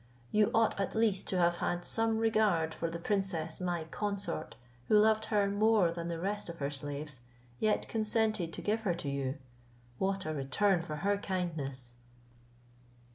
You ought at least to have had some regard for the princess my consort, who loved her more than the rest of her slaves, yet consented to give her to you. What a return for her kindness!"